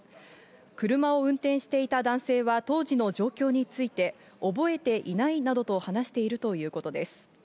車を運転していた男性は当時の状況について覚えていないなどと話しているということです。